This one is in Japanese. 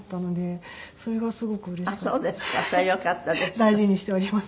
大事にしております。